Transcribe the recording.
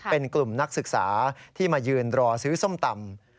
เป็นกลุ่มนักศึกษาที่มายืนรอซื้อส้มตำ